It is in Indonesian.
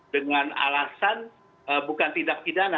dengan alasan bukan tindak pidana